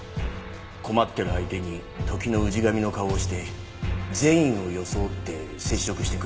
困ってる相手に時の氏神の顔をして善意を装って接触してくる。